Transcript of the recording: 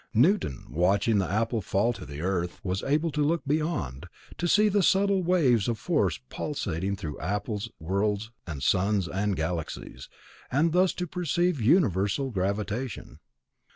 Newton, watching the apple fall to the earth, was able to look beyond, to see the subtle waves of force pulsating through apples and worlds and suns and galaxies, and thus to perceive universal gravitation.